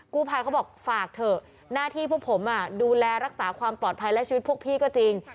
กู้ภัยเขาบอกฝากเถอะหน้าที่พวกผมดูแลรักษาความปลอดภัยและชีวิตพวกพี่ก็จริง